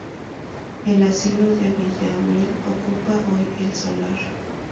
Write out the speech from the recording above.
El asilo de Villaamil ocupa hoy el solar.